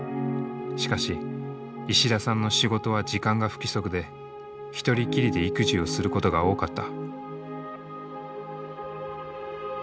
しかし石田さんの仕事は時間が不規則で一人きりで育児をすることが多かった。